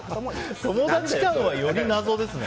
友達間は、より謎ですね。